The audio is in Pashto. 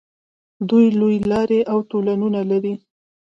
دوی لویې لارې او تونلونه لري.